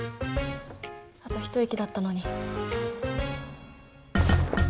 あと一息だったのに。